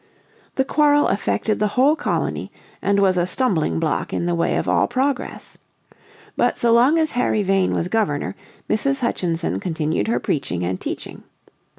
The quarrel affected the whole colony, and was a stumbling block in the way of all progress. But so long as Harry Vane was Governor, Mrs. Hutchinson continued her preaching and teaching.